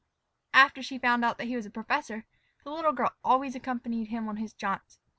After she found out that he was a professor, the little girl always accompanied him on his jaunts.